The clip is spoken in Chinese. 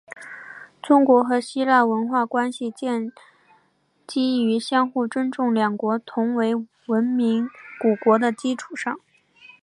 中国和希腊的文化关系建基于相互尊重两国同为文明古国的基础上。